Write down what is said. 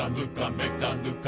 「めかぬか」